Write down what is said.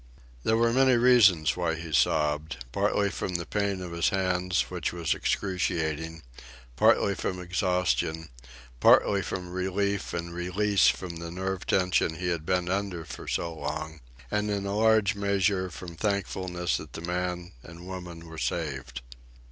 There were many reasons why he sobbed partly from the pain of his hands, which was excruciating; partly from exhaustion; partly from relief and release from the nerve tension he had been under for so long; and in a large measure from thankfulness that the man and woman were saved.